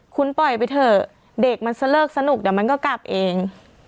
คุณปล่อยไปเถอะเด็กมันสเลิกสนุกเดี๋ยวมันก็กลับเอง